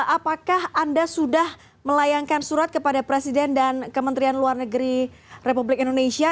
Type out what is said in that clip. apakah anda sudah melayangkan surat kepada presiden dan kementerian luar negeri republik indonesia